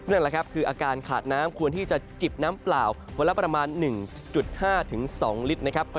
นั่นแหละครับคืออาการขาดน้ำควรที่จะจิบน้ำเปล่าวันละประมาณ๑๕๒ลิตรนะครับ